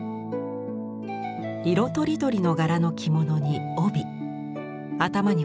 色とりどりの柄の着物に帯頭にはリボン。